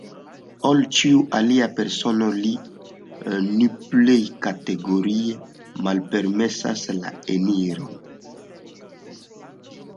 Al ĉiuj aliaj personoj ni plej kategorie malpermesas la eniron.